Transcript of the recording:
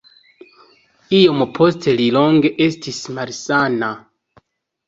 Iom poste li longe estis malsana.